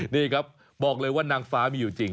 นี่ครับบอกเลยว่านางฟ้ามีอยู่จริง